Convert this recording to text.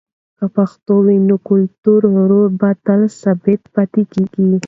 که پښتو وي، نو کلتوري غرور تل ثابت پاتېږي.